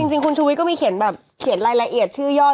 เห็นรายละเอียดชื่อยอด